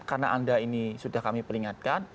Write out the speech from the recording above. karena anda ini sudah kami peringatkan